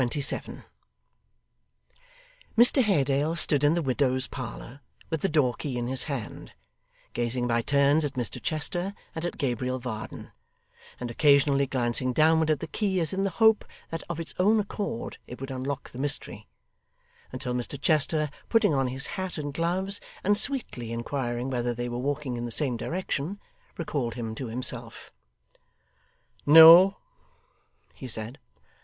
Chapter 27 Mr Haredale stood in the widow's parlour with the door key in his hand, gazing by turns at Mr Chester and at Gabriel Varden, and occasionally glancing downward at the key as in the hope that of its own accord it would unlock the mystery; until Mr Chester, putting on his hat and gloves, and sweetly inquiring whether they were walking in the same direction, recalled him to himself. 'No,' he said.